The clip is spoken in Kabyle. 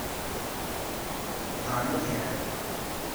Dan ad yarem.